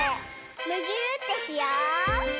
むぎゅーってしよう！